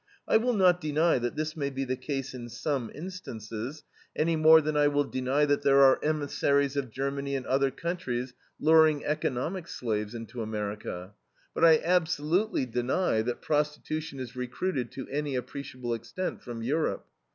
I will not deny that this may be the case in some instances, any more than I will deny that there are emissaries of Germany and other countries luring economic slaves into America; but I absolutely deny that prostitution is recruited to any appreciable extent from Europe.